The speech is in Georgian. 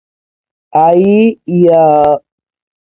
აიიიი იაააა